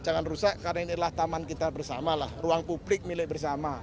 jangan rusak karena ini adalah taman kita bersama lah ruang publik milik bersama